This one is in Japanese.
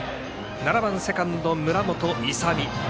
７番、セカンド、村本勇海。